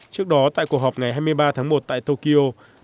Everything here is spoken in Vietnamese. trước đó tại cuộc họp ngày hai mươi ba tháng một tại tokyo